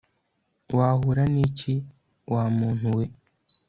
wahura niki ?wa muntu we